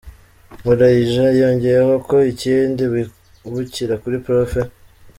Nkurayija yongeyeho ko ikindi bibukira kuri Prof.